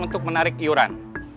untuk menarik iuran